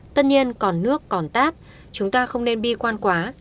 tất nhiên còn nước còn tát chúng ta không nên bi quan quá